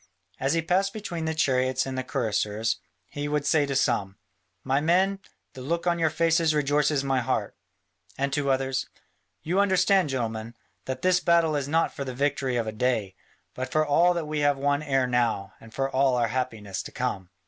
As he passed between the chariots and the cuirassiers, he would say to some, "My men, the look on your faces rejoices my heart," and to others, "You understand, gentlemen, that this battle is not for the victory of a day, but for all that we have won ere now, and for all our happiness to come."